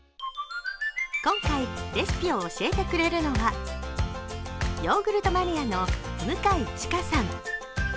今回、レシピを教えてくれるのはヨーグルトマニアの向井智香さん。